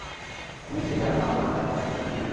তুমি ছেলে হারা মা জাহানারা ঈমামের একাত্তরের দিনগুলি।